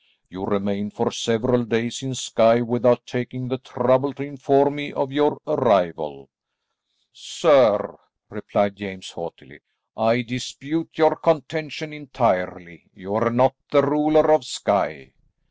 You remained for several days in Skye without taking the trouble to inform me of your arrival." "Sir," replied James haughtily, "I dispute your contention entirely. You are not the ruler of Skye."